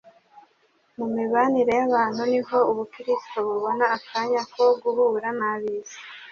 Mu mibanire y'abantu niho ubukristo bubona akanya ko guhura n'ab'isi.